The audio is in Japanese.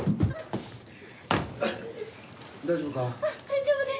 大丈夫か？